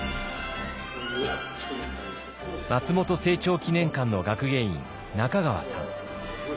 松本清張記念館の学芸員中川さん。